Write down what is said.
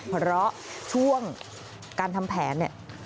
เพราะช่วงการทำแผน